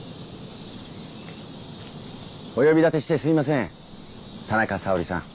お呼び立てしてすみません田中沙織さん。